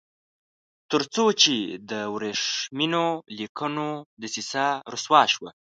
تر څو چې د ورېښمینو لیکونو دسیسه رسوا شوه.